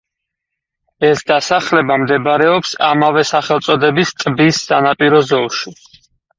ეს დასახლება მდებარეობს ამავე სახელწოდების ტბის სანაპირო ზოლში.